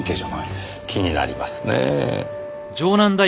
気になりますねぇ。